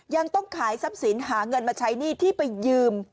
ยังต้องขายซ้ำศีลหาเงินมาใช้หนี้ที่ไปยืม